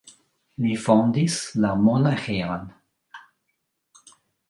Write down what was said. Li fondis la monaĥejon.